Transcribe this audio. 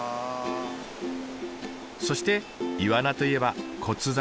そしてイワナといえば骨酒。